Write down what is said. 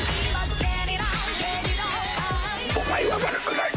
お前は悪くない。